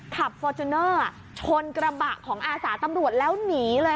ฟอร์จูเนอร์ชนกระบะของอาสาตำรวจแล้วหนีเลย